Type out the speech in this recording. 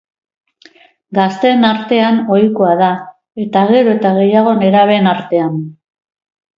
Gazteen artean ohikoa da eta gero eta gehiago nerabeen artean.